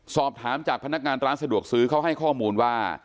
สอบถามจากพนักงานร้านสะดวกซื้อเขาให้ข้อมูลว่า